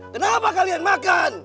kenapa kalian makan